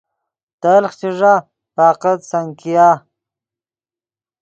تلخ چے ݱا فقط سنکیا